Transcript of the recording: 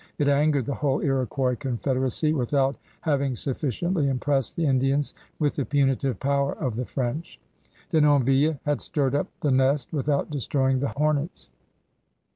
It angered the whole Lx>quois confederacy without having sufficiently impressed the Indians with the punitive power of the French. Denonville had stirred up the nest without destroy ing the hornets.